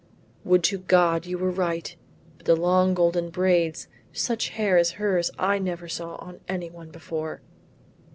"Would to God you were right; but the long golden braids! Such hair as hers I never saw on anyone before."